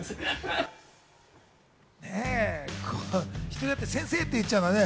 人によって、先生って言っちゃうのね。